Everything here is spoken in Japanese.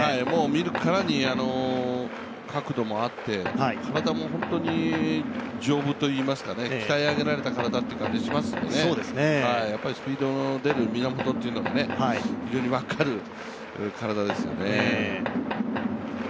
見るからに角度もあって、体も本当に丈夫といいますか、鍛え上げられた体という感じがしますからね、スピードの出る源がよく分かる体ですよね。